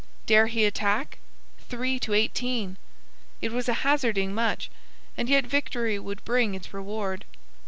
Dare he attack? Three to eighteen! It was hazarding much; and yet victory would bring its reward.